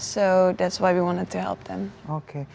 jadi itulah mengapa kami ingin membantu mereka